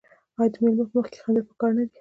آیا د میلمه په مخ کې خندل پکار نه دي؟